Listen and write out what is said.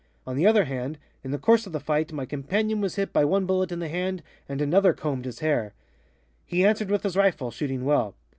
On the other hand, in the course of the fight my companion was hit by one bullet in the hand and another 'combed' his hair. He answered with his rifle, shooting well.